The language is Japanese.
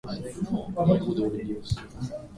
ラーメン食べたいけど夜遅くは我慢